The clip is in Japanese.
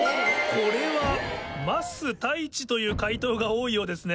・これは「ますたいち」という解答が多いようですね。